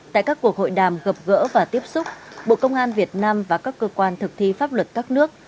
tại các cuộc hội đàm gặp gỡ và tiếp xúc bộ công an việt nam và các cơ quan thực thi pháp luật các nước